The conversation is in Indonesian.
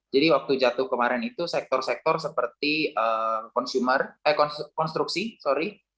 jadi waktu jatuh kemarin itu sektor sektor seperti konstruksi